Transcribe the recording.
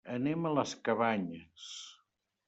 Anem a les Cabanyes.